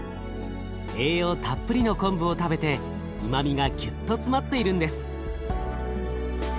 栄養たっぷりの昆布を食べてうまみがぎゅっと詰まっているんです。